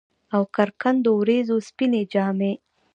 اوکر کنډو ، وریځو سپيني جامې